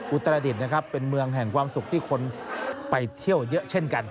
อุตรดิษฐ์นะครับเป็นเมืองแห่งความสุขที่คนไปเที่ยวเยอะเช่นกัน